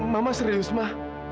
mama serius ma